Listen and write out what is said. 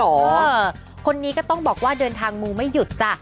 เออคนนี้ก็ต้องบอกว่าเดินทางมูไม่หยุดจ้ะ